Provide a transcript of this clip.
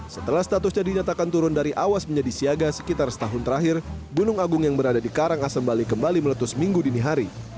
setelah statusnya dinyatakan turun dari awas menjadi siaga sekitar setahun terakhir gunung agung yang berada di karangasem bali kembali meletus minggu dini hari